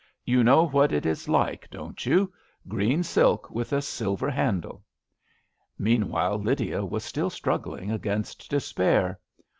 You know what it is like, don't you? Green silk with a silver handle." Meantime Lydia was still struggling against despair.